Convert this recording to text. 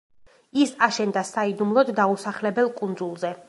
ის აშენდა საიდუმლოდ დაუსახლებელ კუნძულზე.